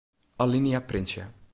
Alinea printsje.